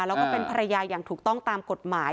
แล้วก็เป็นภรรยาอย่างถูกต้องตามกฎหมาย